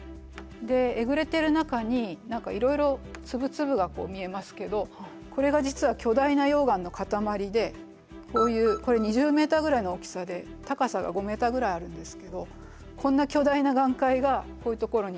でえぐれてる中にいろいろ粒々が見えますけどこれが実は巨大な溶岩の塊でこういうこれ２０ｍぐらいの大きさで高さが５ｍぐらいあるんですけどこんな巨大な岩塊がこういうところにいっぱい散らばってる。